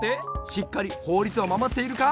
しっかりほうりつをまもっているか。